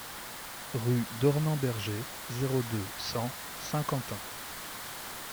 Rue Dornemberger, zéro deux, cent Saint-Quentin